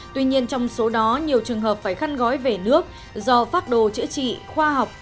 tuy nhiên trong số đó nhiều trường hợp phải khăn gói về nước do phác đồ chữa trị khoa học